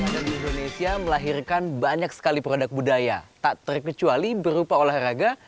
indonesia melahirkan banyak sekali produk budaya tak terkecuali berupa olahraga